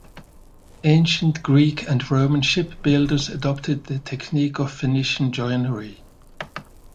Ancient Greek and Roman shipbuilders adopted the technique of Phoenician joinery.